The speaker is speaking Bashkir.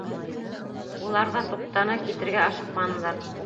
Улар ҙа туҡтаны, китергә ашыҡманылар.